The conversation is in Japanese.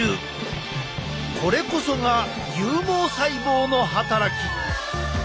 これこそが有毛細胞の働き！